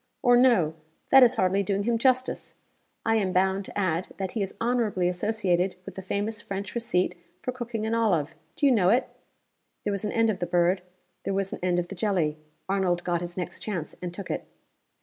Or no that is hardly doing him justice. I am bound to add that he is honorably associated with the famous French receipt for cooking an olive. Do you know it?" There was an end of the bird; there was an end of the jelly. Arnold got his next chance and took it.